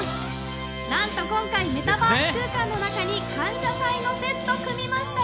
なんと今回、メタバース空間の中に「感謝祭」のセット組みました。